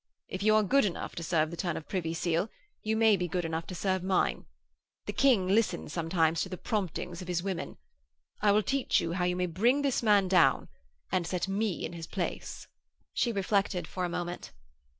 If you are good enough to serve the turn of Privy Seal, you may be good enough to serve mine. The King listens sometimes to the promptings of his women. I will teach you how you may bring this man down and set me in his place.' She reflected for a moment.